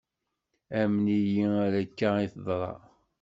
Amen-iyi ar akka i teḍra.